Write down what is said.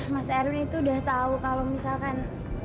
mas erwin itu udah tahu kalau misalkan